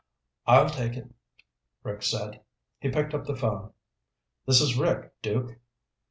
"I'll take it," Rick said. He picked up the phone. "This is Rick, Duke."